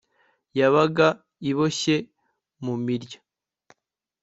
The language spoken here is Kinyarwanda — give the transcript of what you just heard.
yabaga iboshye mumirya